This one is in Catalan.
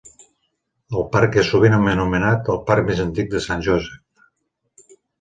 El parc és sovint anomenat el parc més antic de Saint Joseph.